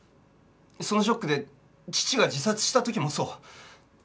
そのショックで父が自殺した時もそう。